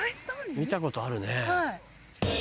見たことあるね。